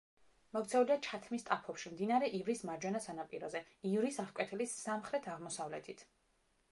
მოქცეულია ჩათმის ტაფობში, მდინარე ივრის მარჯვენა სანაპიროზე, ივრის აღკვეთილის სამხრეთ-აღმოსავლეთით.